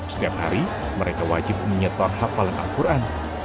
setiap hari mereka wajib menyetor hafalan al quran